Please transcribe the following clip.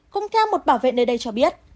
cũng theo một bảo vệ nơi đây cho biết